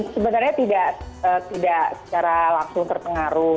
sebenarnya tidak secara langsung terpengaruh